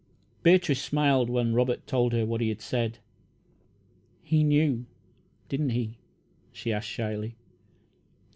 Beatrice smiled when Robert told her what he had said. "He knew, didn't he?" she asked shyly.